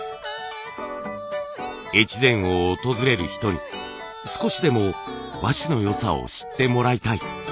越前を訪れる人に少しでも和紙のよさを知ってもらいたい。